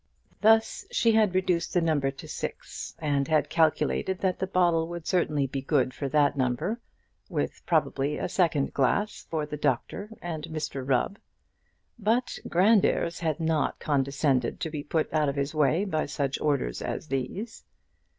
Thus she had reduced the number to six, and had calculated that the bottle would certainly be good for that number, with probably a second glass for the doctor and Mr Rubb. But Grandairs had not condescended to be put out of his way by such orders as these.